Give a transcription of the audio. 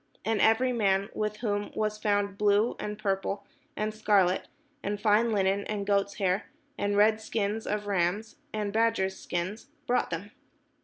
And every man, with whom was found blue, and purple, and scarlet, and fine linen, and goats' hair, and red skins of rams, and badgers' skins, brought them.